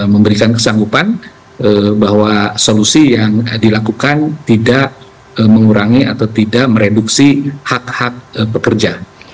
memberikan kesanggupan bahwa solusi yang dilakukan tidak mengurangi atau tidak mereduksi hak hak pekerja